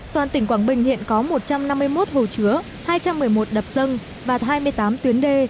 toàn tỉnh quảng bình hiện có một trăm năm mươi một hồ chứa hai trăm một mươi một đập dân và hai mươi tám tuyến đê